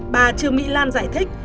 bà trường mỹ lan giải thích